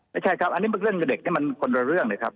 ไม่ใช่ครับอันนี้เรื่องเด็กนี่มันคนละเรื่องเลยครับ